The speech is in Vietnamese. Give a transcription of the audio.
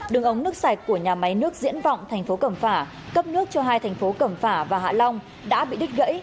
đường ống nước sạch của nhà máy nước diễn vọng thành phố cẩm phả cấp nước cho hai thành phố cẩm phả và hạ long đã bị đứt gãy